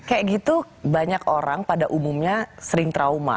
kayak gitu banyak orang pada umumnya sering trauma